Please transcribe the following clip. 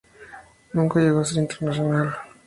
Nunca llegó a ser internacional.